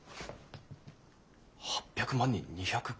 ８００万に２５０万？